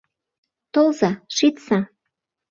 Толза, шичса!